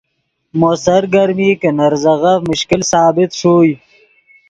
مو سرگرمی کہ نے ریزغف مشکل ثابت ݰوئے